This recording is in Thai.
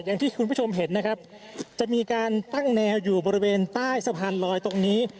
อย่างที่คุณผู้ชมเห็นนะครับจะมีการตั้งแนวอยู่บริเวณใต้สะพานลอยตรงนี้